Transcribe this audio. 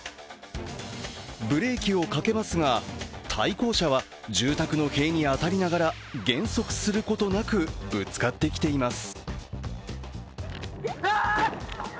ブレーキをかけますが、対向車は住宅の塀に当たりながら減速することなくぶつかってきています。